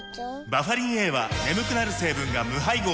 バファリンＡは眠くなる成分が無配合なんです